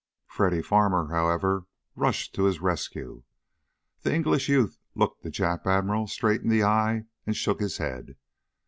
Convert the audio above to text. Freddy Farmer, however, rushed to his rescue. The English youth looked the Jap Admiral straight in the eye, and shook his head.